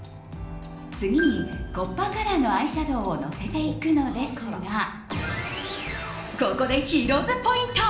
次にトップアイカラーのアイシャドーをのせていくのですがここでヒロ’ｓポイント。